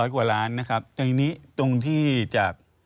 กว่าล้านนะครับตรงนี้ตรงที่จาก